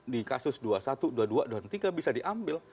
di kasus dua puluh satu dua puluh dua dan tiga bisa diambil